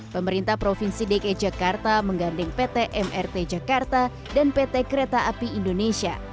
pemerintah provinsi dki jakarta menggandeng pt mrt jakarta dan pt kereta api indonesia